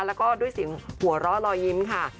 แล้วก็ด้วยเสียงหัวเราะรอยยิ้มค่ะ